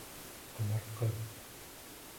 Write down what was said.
Ҡомартҡы!..